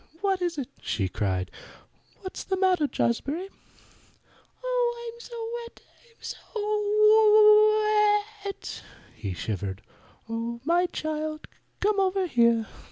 What is it?" she cried. "What's the matter, Jazbury?" "Oh, I'm so wet. I'm so w w wet!" he shivered. "Oh, my child, come over here!"